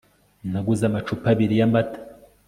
naguze amacupa abiri y'amata